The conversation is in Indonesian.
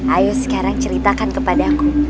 ayo sekarang ceritakan kepadaku